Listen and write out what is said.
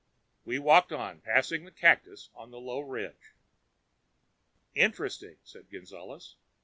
We walked on, passing the cactus on the low ridge. "Interesting," said Gonzales.